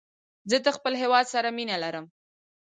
زه د خپل هېواد سره مینه لرم